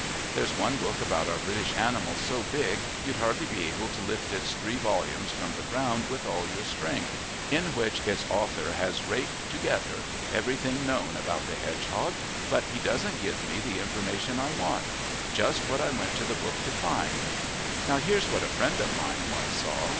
There's one book about our British animals so big you'd hardly be able to lift its three volumes from the ground with all your strength, in which its author has raked together everything known about the hedgehog, but he doesn't give me the information I want just what I went to the book to find. Now here's what a friend of mine once saw.